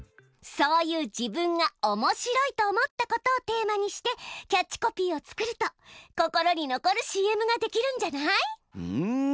そういう自分がおもしろいと思ったことをテーマにしてキャッチコピーを作ると心に残るＣＭができるんじゃない？